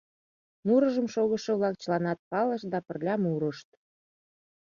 Мурыжым шогышо-влак чыланат палышт да пырля мурышт.